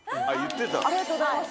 ありがとうございます。